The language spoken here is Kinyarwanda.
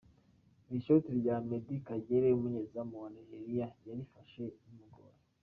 Iri shoti rya Meddy Kagere umunyezamu wa Nigeria yarifashe bimugoye.